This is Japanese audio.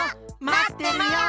まってるよ！